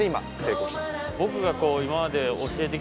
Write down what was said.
僕が。